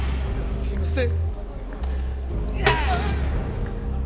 すいません。